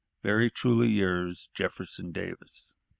"Very truly yours, "Jefferson Davis."